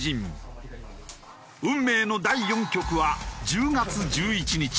運命の第４局は１０月１１日。